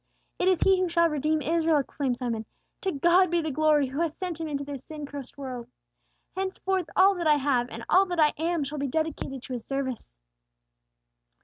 "It is He who shall redeem Israel!" exclaimed Simon. "To God be the glory, who hath sent Him into this sin cursed world! Henceforth all that I have, and all that I am, shall be dedicated to His service!"